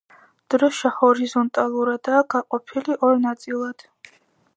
დროშა ჰორიზონტალურადაა გაყოფილი ორ ნაწილად.